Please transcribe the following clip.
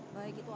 baik itu artinya